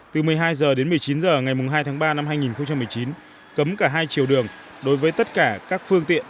từ một mươi hai h đến một mươi chín h ngày hai tháng ba năm hai nghìn một mươi chín cấm cả hai chiều đường đối với tất cả các phương tiện